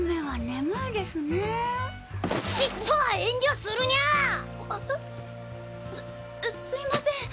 すすいません。